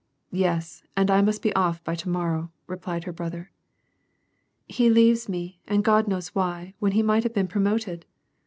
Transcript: " Yes, and I must be off by to morrow," replied her brother. "He leaves me, and God knows why, when he might have been promoted."